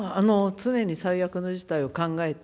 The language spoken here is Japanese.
常に最悪の事態を考えて、